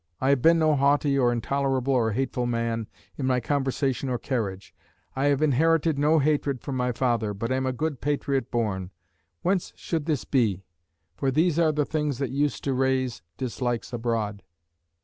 I have been no haughty or intolerable or hateful man, in my conversation or carriage. I have inherited no hatred from my father, but am a good patriot born. Whence should this be? For these are the things that use to raise dislikes abroad."